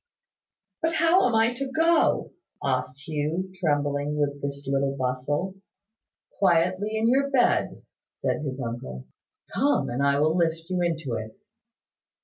"But how am I to go?" asked Hugh, trembling with this little bustle. "Quietly in your bed," said his uncle. "Come, I will lift you into it."